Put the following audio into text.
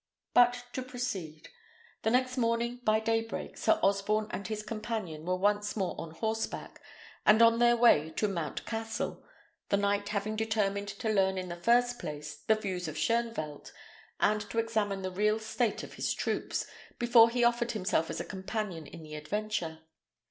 But to proceed. The next morning, by day break, Sir Osborne and his companion were once more on horseback, and on their way to Mount Cassel, the knight having determined to learn, in the first place, the views of Shoenvelt, and to examine the real state of his troops, before he offered himself as a companion in the adventure.